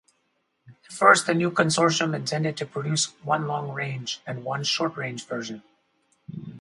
At first, the new consortium intended to produce one long-range and one short-range version.